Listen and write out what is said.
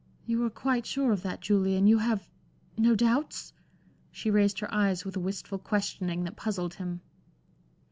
"You are quite sure of that, Julian, you have no doubts?" She raised her eyes with a wistful questioning that puzzled him.